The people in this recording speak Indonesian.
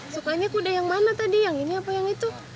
sukanya kuda yang mana tadi yang ini apa yang itu